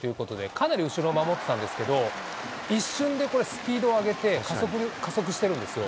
かなり後ろを守ってたんですけど、一瞬でスピードを上げて、加速してるんですよ。